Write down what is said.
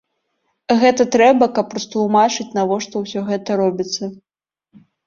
Гэта трэба, каб растлумачыць, навошта ўсё гэта робіцца.